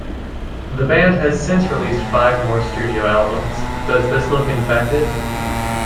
The band has since released five more studio albums: Does This Look Infected?